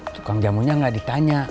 tukang jamunya gak ditanya